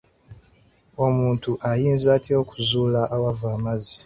Omuntu ayinza atya okuzuula awava amazzi?